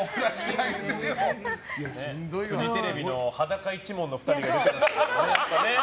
フジテレビの裸一門の２人が出てましたね。